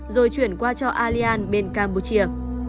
rồi chuyển qua cho allianz bên campuchia